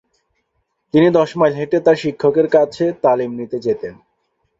তিনি দশ মেইল হেঁটে তার শিক্ষকের কাছে তালিম নিতে যেতেন।